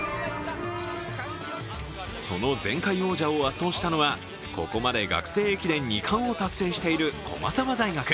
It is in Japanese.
その前回王者を圧倒したのはここまで学生連合２冠を達成している駒澤大学。